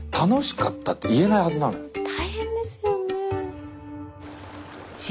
大変ですよね。